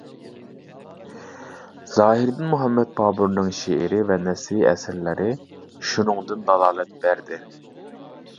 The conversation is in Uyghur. زاھىرىدىن مۇھەممەد بابۇرنىڭ شېئىرىي ۋە نەسرىي ئەسەرلىرى شۇنىڭدىن دالالەت بەردى.